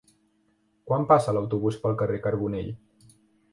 Quan passa l'autobús pel carrer Carbonell?